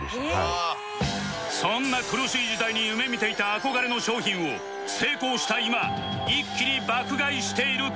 そんな苦しい時代に夢見ていた憧れの商品を成功した今一気に爆買いしているくっきー！